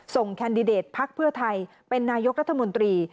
แคนดิเดตพักเพื่อไทยเป็นนายกรัฐมนตรี